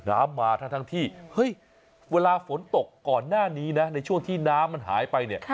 น้ำมาทั้งที่เฮ้ยเวลาฝนตกก่อนหน้านี้นะในช่วงที่น้ำมันหายไปเนี่ย